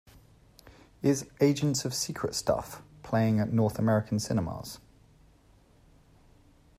Is Agents of Secret Stuff playing at North American Cinemas